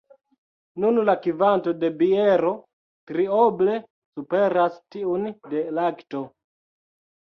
Nun la kvanto de biero trioble superas tiun de lakto.